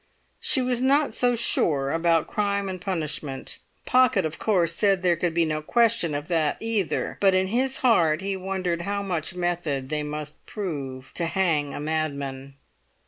She was not so sure about crime and punishment. Pocket, of course, said there could be no question of that either; but in his heart he wondered how much method they must prove to hang a madman.